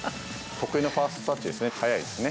得意のファーストタッチですね、速いですね。